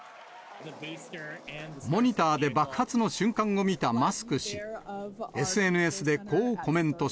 モニターで爆発の瞬間を見たマスク氏。